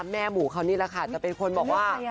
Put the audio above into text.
แม่หมูเขานี่แหละค่ะจะเป็นคนบอกว่า